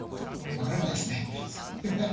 分からないです。